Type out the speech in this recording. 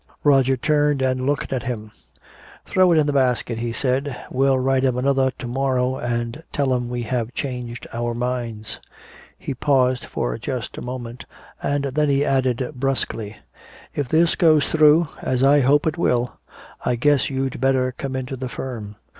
Roger turned and looked at him. "Throw it into the basket," he said. "We'll write 'em another to morrow and tell 'em we have changed our minds." He paused for just a moment, and then he added brusquely, "If this goes through as I hope it will, I guess you'd better come into the firm."